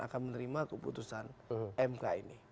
akan menerima keputusan mk ini